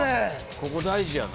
ここ、大事やな。